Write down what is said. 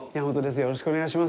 よろしくお願いします。